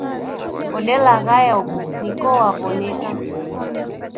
Odelaghaya huw'u niko waw'oneka